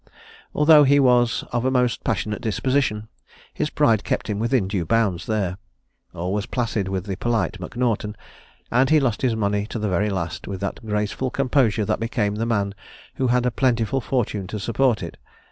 Although he was of a most passionate disposition, his pride kept him within due bounds there. All was placid with the polite M'Naughton; and he lost his money to the very last with that graceful composure that became the man who had a plentiful fortune to support it.